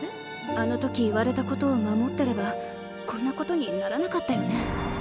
あの時言われたことを守ってればこんなことにならなかったよね。